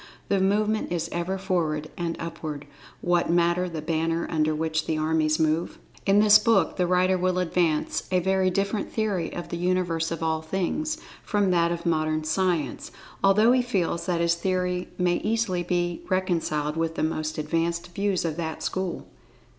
The movement is ever forward, and upward—what matter the banner under which the armies move? In this book the writer will advance a very different theory of the Universe of All Things from that of Modern Science, although he feels that his theory may easily be reconciled with the most advanced views of that school.